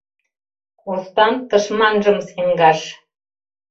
Костан тышманжым сӹнгаш —